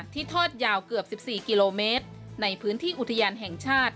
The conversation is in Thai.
ทอดยาวเกือบ๑๔กิโลเมตรในพื้นที่อุทยานแห่งชาติ